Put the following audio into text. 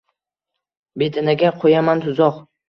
Bedanaga qo’yaman tuzoq –